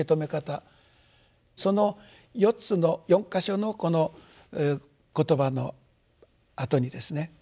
その４つの４か所のこの言葉のあとにですね